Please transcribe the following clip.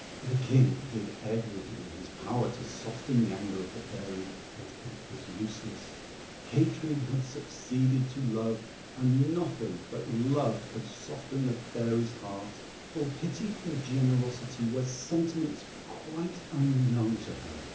The King did everything in his power to soften the anger of the Fairy; but it was useless; hatred had succeeded to love, and nothing but love could soften the Fairy's heart; for pity and generosity were sentiments quite unknown to her.